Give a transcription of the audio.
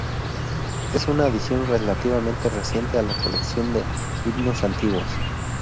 Es una adición relativamente reciente a la colección de himnos antiguos.